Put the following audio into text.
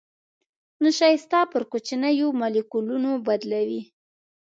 نشایسته پر کوچنيو مالیکولونو بدلوي.